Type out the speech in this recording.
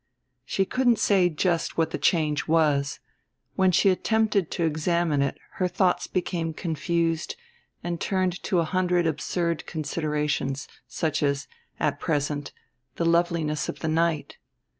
She couldn't say just what the change was; when she attempted to examine it her thoughts became confused and turned to a hundred absurd considerations, such as at present the loveliness of the night.